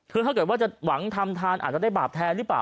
คือถ้าเกิดว่าจะหวังทำทานอาจจะได้บาปแทนหรือเปล่า